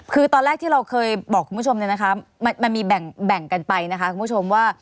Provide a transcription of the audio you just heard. คือตอนแรกที่เราเคยบอกคุณผู้ชมเนี่ยนะคะมันมีแบ่งกันไปนะคะคุณผู้ชมว่า